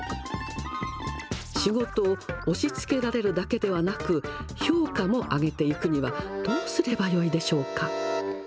仕事を押しつけられるだけではなく、評価も上げていくにはどうすればよいでしょうか。